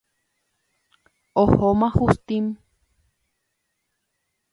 Ohóma Justín.